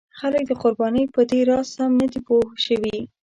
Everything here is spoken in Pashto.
خلک د قربانۍ په دې راز سم نه دي پوه شوي.